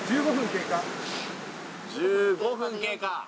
１５分経過。